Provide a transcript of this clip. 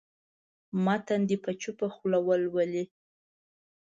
متن دې په چوپه خوله ولولي.